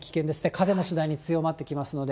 風も次第に強まってきますので。